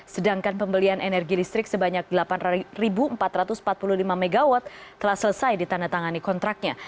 sedangkan pembelian energi listrik sebanyak delapan empat ratus empat puluh lima mw telah selesai ditandatangani kontraknya